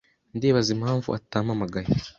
Ndibaza impamvu atampamagaye.